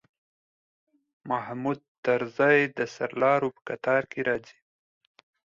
محمود طرزی د سرلارو په قطار کې راځي.